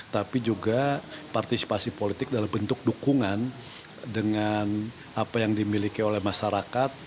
tapi juga partisipasi politik dalam bentuk dukungan dengan apa yang dimiliki oleh masyarakat